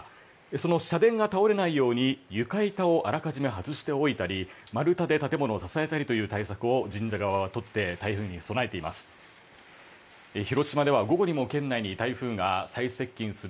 その社殿が倒れないように床板をあらかじめ外しておいたり丸太で建物を支えたりという対策を神社側は取って台風に備えています。